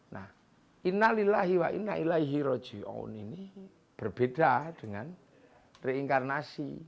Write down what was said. nah innalillahi wa inna ilaihi roji'un ini berbeda dengan reinkarnasi